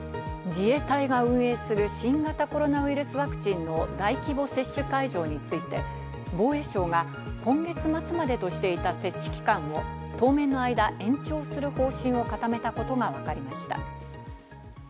自衛隊が運営する新型コロナウイルスワクチンの大規模接種会場について防衛省が今月末までとしていた設置期間を当面の間、延長する方針を固めたことがわかりました。